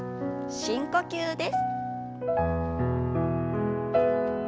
深呼吸です。